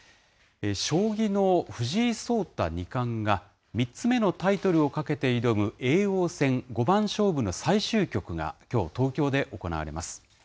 将棋の藤井聡太二冠が、３つ目のタイトルを懸けて挑む叡王戦五番勝負の最終局が、きょう東京で行われます。